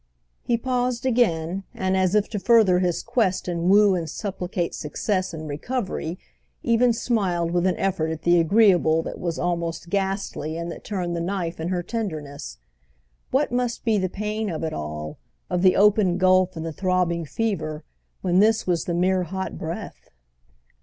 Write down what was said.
He paused again and, as if to further his quest and woo and supplicate success and recovery, even smiled with an effort at the agreeable that was almost ghastly and that turned the knife in her tenderness. What must be the pain of it all, of the open gulf and the throbbing fever, when this was the mere hot breath?